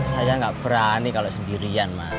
saya nggak berani kalau sendirian mas